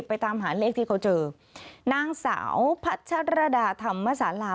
ตามหาเลขที่เขาเจอนางสาวพัชรดาธรรมศาลา